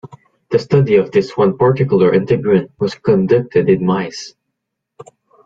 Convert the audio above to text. The study of this one particular integrin was conducted in mice.